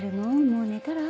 もう寝たら？